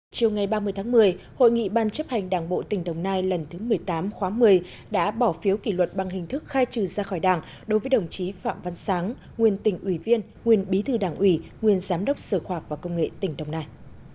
chiều ngày ba mươi tháng một mươi hội nghị ban chấp hành đảng bộ tỉnh đồng nai lần thứ một mươi tám khóa một mươi đã bỏ phiếu kỷ luật bằng hình thức khai trừ ra khỏi đảng đối với đồng chí phạm văn sáng nguyên tỉnh ủy viên nguyên bí thư đảng ủy nguyên giám đốc sở khoa học và công nghệ tỉnh đồng nai